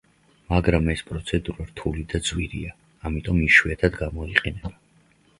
მაგრამ ეს პროცედურა რთული და ძვირია, ამიტომ იშვიათად გამოიყენება.